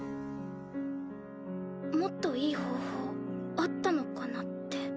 もっといい方法あったのかなって。